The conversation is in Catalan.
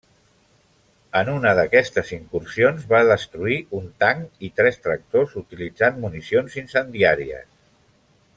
En unes d’aquestes incursions, va destruir un tanc i tres tractors utilitzant municions incendiàries.